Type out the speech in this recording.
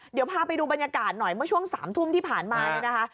เดี๋ยวพาไปดูบรรยากาศหน่อยเมื่อช่วง๓ทุ่มที่ผ่านมาเนี่ยนะคะ